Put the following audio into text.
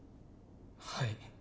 はい。